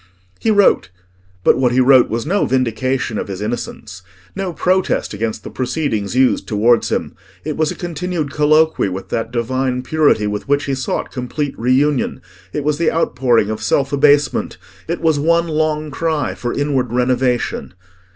He wrote; but what he wrote was no vindication of his innocence, no protest against the proceedings used towards him: it was a continued colloquy with that divine purity with which he sought complete reunion; it was the outpouring of self abasement; it was one long cry for inward renovation.